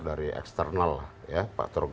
dari eksternal ya